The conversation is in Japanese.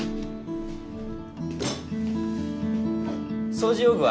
掃除用具は？